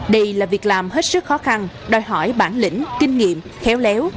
đây là việc làm hết sức khó khăn đòi hỏi bản lĩnh kinh nghiệm khéo léo